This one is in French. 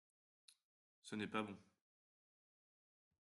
Ce n’est pas bon.